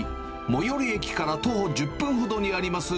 最寄り駅から徒歩１０分ほどにあります